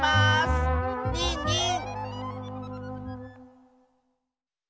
ニンニン！